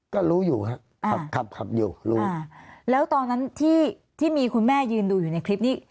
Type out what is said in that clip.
ก็รู้อยู่ครับขับขับอยู่รู้แล้วตอนนั้นที่ที่มีคุณแม่ยืนดูอยู่ในคลิปนี้